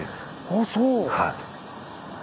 ああそう。